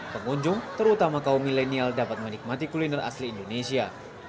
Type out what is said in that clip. pengunjung terutama kaum milenial dapat menikmati kuliner asli indonesia